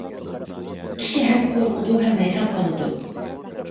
كىشى ھەم قورقىدۇ، ھەم ھەيران قالىدۇ.